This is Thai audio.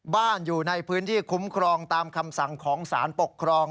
อยู่ในพื้นที่คุ้มครองตามคำสั่งของสารปกครอง